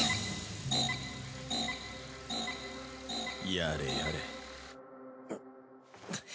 やれやれ。